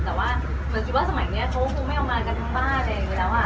แต่ว่าเหมือนสมัยเนี้ยเขาคงไม่เอามากันทั้งบ้านอะไรอย่างงี้แล้วอ่ะ